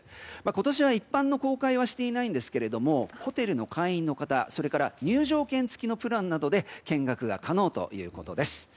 今年は一般の公開はしていないんですがホテルの会員の方入場券付きのプランなどで見学が可能ということです。